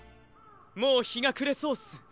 もうひがくれそうっす。